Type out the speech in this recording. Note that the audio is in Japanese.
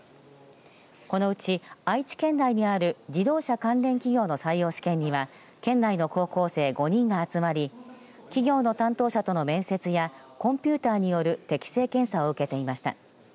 このうち、愛知県内にある自動車関連企業の採用試験には県内の高校生５人が集まり企業の担当者との面接やコンピューターによる適性検査を受けていました。